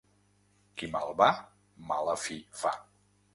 Qui mal va, mala fi fa.